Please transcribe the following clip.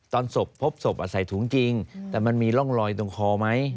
ตอนศพพบศพใส่ถุงจริงแต่มันมีร่องรอยตรงคอไหม